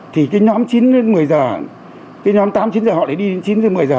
thì nhóm tám chín giờ họ đi đến chín một mươi giờ